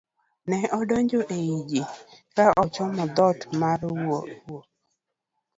ne odonjo e i ji ka ochomo dhoot mar wuok